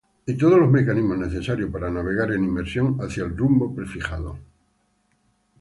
Y todos los mecanismos necesarios para navegar en inmersión hacia el rumbo prefijado.